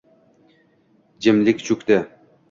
Jimlik cho‘kdi.